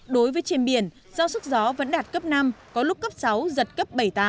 đối với trên biển do sức gió vẫn đạt cấp năm có lúc cấp sáu giật cấp bảy tám